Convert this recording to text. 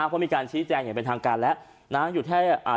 เพราะมีการชี้แจงอย่างเป็นทางการแล้วนะฮะ